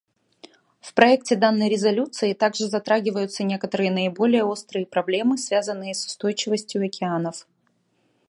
В проекте данной резолюции также затрагиваются некоторые наиболее острые проблемы, связанные с устойчивостью океанов.